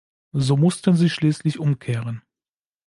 So mussten sie schließlich umkehren.